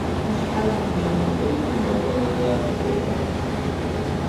Acḥal afmiḍi n ukayad n bakalurya aseggas-a?